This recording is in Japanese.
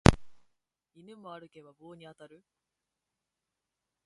犬も歩けば棒に当たる